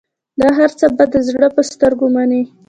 دا هرڅه به د زړه په سترګو منې.